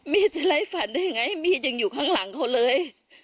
แม่จะไล่ฝันได้ยังไงมีดยังอยู่ข้างหลังเขาเลย